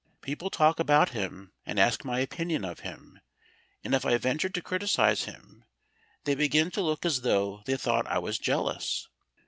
People talk about him and ask my opinion of him, and if I venture to criticise him they begin to look as though they thought I was jealous.